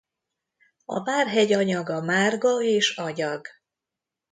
A Várhegy anyaga márga és agyag.